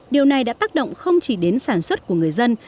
điều này đã tác động không chỉ đến sản xuất của người dân